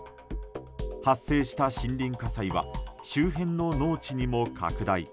発生した森林火災は周辺の農地にも拡大。